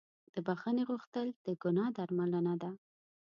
د بښنې غوښتل د ګناه درملنه ده.